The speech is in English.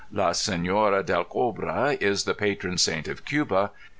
La Se├▒ora del Cobre is the patron saint of Cuba.